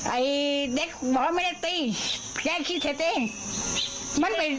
ไอ้เด็กบอกว่าไม่ได้ตีแกคิดเท่าไหร่